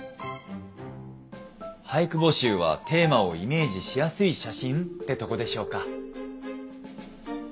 俳句募集はテーマをイメージしやすい写真ってとこでしょうか。